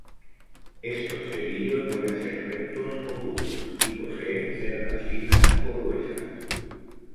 Estos cepillos pueden ser rectos o curvos y poseen cerdas finas o gruesas.